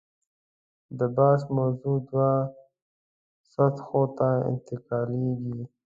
د بحث موضوع دوو سطحو ته انتقالېږي.